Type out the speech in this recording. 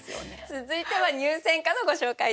続いては入選歌のご紹介です。